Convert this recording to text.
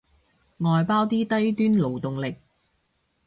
外包啲低端勞動力